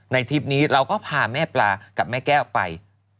ทริปนี้เราก็พาแม่ปลากับแม่แก้วไป